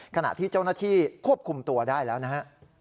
ขณะที่เจ้าหน้าที่ควบคุมตัวได้แล้วนะฮะ